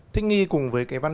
thích nghi cùng với cái văn